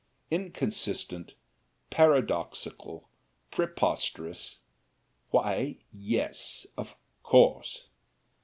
Inconsistent, paradoxical, preposterous why, yes, of course!